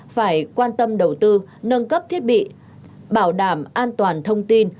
phải quan tâm đầu tư nâng cấp thiết bị bảo đảm an toàn thông tin